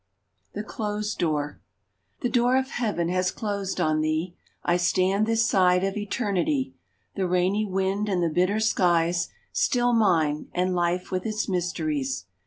Cbe Closes Door HE door of heaven has closed on thee ; I stand this side of eternity, The rainy wind and the bitter skies Still mine ; and life with its mysteries.